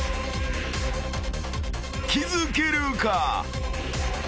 ［気付けるか？］